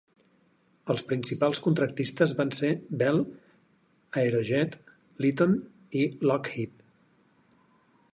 Els principals contractistes van ser Bell, Aerojet, Litton i Lockheed.